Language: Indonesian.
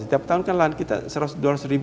setiap tahun kan lahan kita dua ratus tersedia